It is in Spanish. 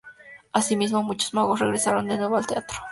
Asimismo, muchos magos regresaron de nuevo al teatro.